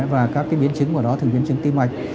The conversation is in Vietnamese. và các biến chứng của nó thường biến chứng tim mạch